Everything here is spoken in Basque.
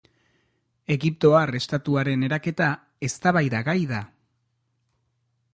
Egiptoar estatuaren eraketa, eztabaidagai da.